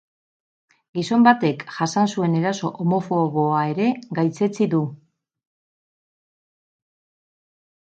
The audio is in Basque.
Gizon batek jasan zuen eraso homofoboa ere gaitzetsi du.